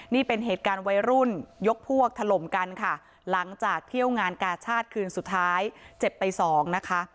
นี่เป็นเหตุการณ์วัยรุ่นยกพวกถล่มกันค่ะหลังจากเที่ยวงานกาชาติคืนสุดท้ายเจ็บไปสองนะคะ